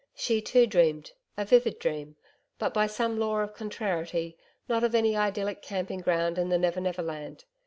She too dreamed a vivid dream, but by some law of contrariety, not of any idyllic camping ground in the Never Never Land.